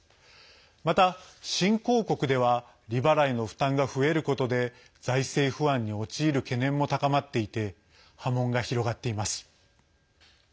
また、新興国では利払いの負担が増えることで財政不安に陥る懸念も高まっていて波紋が広がっています。